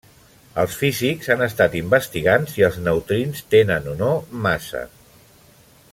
Els físics han estat investigant si els neutrins tenen o no massa.